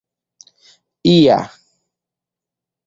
ia